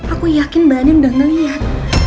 aku yakin mbak endin udah ngeliat